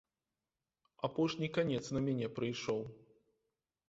Апошні канец на мяне прыйшоў.